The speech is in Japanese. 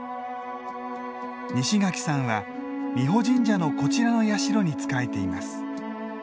西垣さんは美保神社のこちらの社に仕えています。